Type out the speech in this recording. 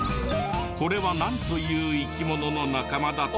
これはなんという生き物の仲間だった？